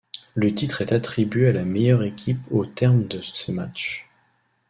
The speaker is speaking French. Le titre est attribué à la meilleure équipe au terme de ces matchs.